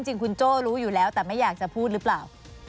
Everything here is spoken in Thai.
จริงคุณโจ้รู้อยู่แล้วแต่ไม่อยากจะพูดหรือเปล่า